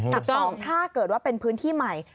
กับ๒ถ้าเกิดว่าเป็นพื้นที่ใหม่